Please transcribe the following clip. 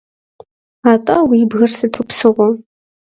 АтӀэ, уи бгыр сыту псыгъуэ?